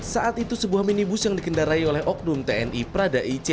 saat itu sebuah minibus yang dikendarai oleh oknum tni prada ic